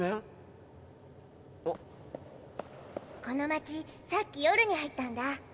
この街さっき夜に入ったんだ。